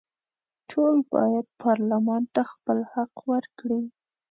ټول باید پارلمان ته خپل حق ورکړي.